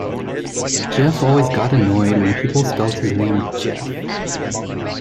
Geoff always got annoyed when people spelt his name Jeff.